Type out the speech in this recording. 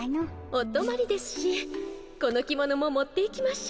おとまりですしこの着物も持っていきましょう。